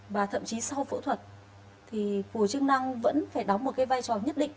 và thậm chí sau phẫu thuật thì phù hợp chức năng vẫn phải đóng vai trò nhất định